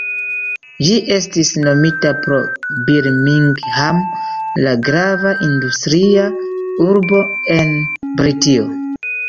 Ĝi estis nomita pro Birmingham, la grava industria urbo en Britio.